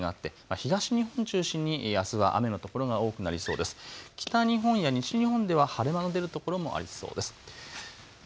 北日本や西日本では晴れ間の出る所もありそうです。